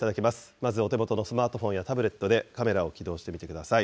まずお手元のスマートフォンやタブレットなどでカメラを起動してみてください。